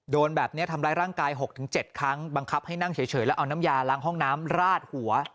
โดนแบบนี้ทำร้ายร่างกาย๖๗ครั้งบังคับให้นั่งเฉยแล้วเอาน้ำยาล้างห้องน้ำราดหัว